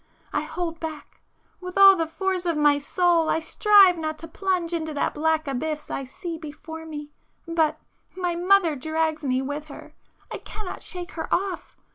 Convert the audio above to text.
... I hold back,—with all the force of my soul I strive not to plunge into that black abyss I see before me—but—my mother drags me with her,—I cannot shake her off!